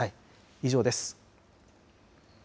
以上です。